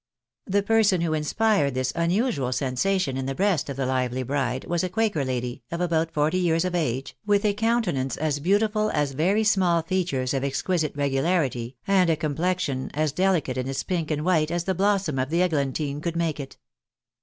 The person who inspired this unusual sensation in the breast of the lively bride, was a quaker lady, of about forty years of age, with a countenance as beautiful as very small features of exquisite regularity, and a complexion as delicate in its pink and white as the blossom of the eglantine could make it.